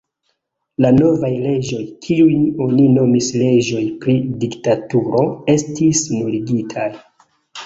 La novaj leĝoj, kiujn oni nomis leĝoj pri diktaturo, estis nuligitaj.